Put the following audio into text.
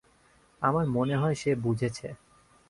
আমার মনে হয় সে বুঝেছে।